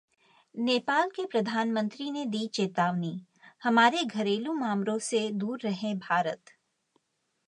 नेपाल के प्रधानमंत्री ने दी चेतावनी- हमारे घरेलू मामलों से दूर रहे भारत